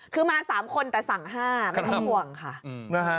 คือมา๓คนแต่สั่ง๕ไม่ต้องห่วงค่ะนะฮะ